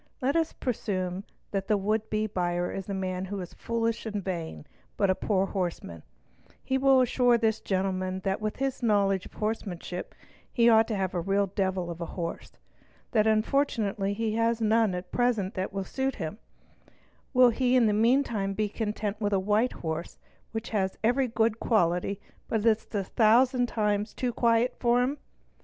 Let us presume that the would be buyer is aman who is foppish and vain but a poor horseman; he will assure this gentleman that with his knowledge of horsemanship he ought to have a real devil of a horse, that unfortunately he has none at present that will quite suit him; will he in the mean time be content with a white horse which has every good quality but is a thousand times too quiet for him?